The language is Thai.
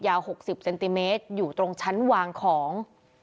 ๖๐เซนติเมตรอยู่ตรงชั้นวางของ